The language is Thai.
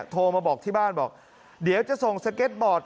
โทรมาบอกที่บ้านบอกเดี๋ยวจะส่งสเก็ตบอร์ด